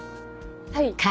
はい。